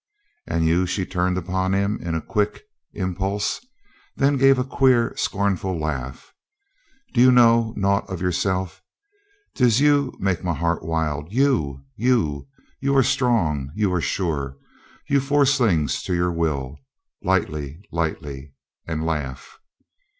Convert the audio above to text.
"And you," she turned upon him in a quick im pulse, then gave a queer, scornful laugh. "Do you know naught of yourself? 'Tis you make my heart wild — you! You! You are strong; you are sure. You force things to your will — lightly, lightly, and laugh."